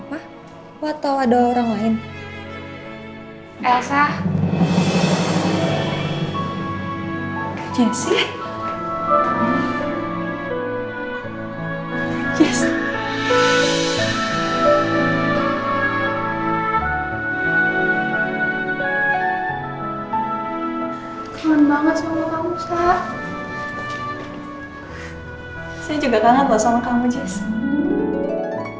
saya juga kangen loh sama kamu jess